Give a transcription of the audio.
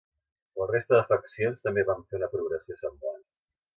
La resta de faccions també van fer una progressió semblant.